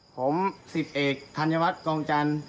ผม๑๐เอกธัญวัฒน์กองจันทร์